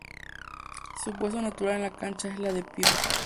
Su puesto natural en la cancha es la de pívot.